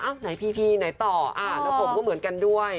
ไหนพีพีไหนต่อแล้วผมก็เหมือนกันด้วย